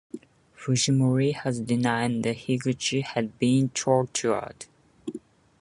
Fujimori has denied that Higuchi had been tortured.